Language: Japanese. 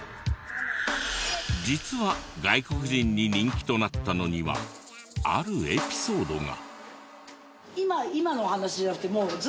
実は外国人に人気となったのにはあるエピソードが。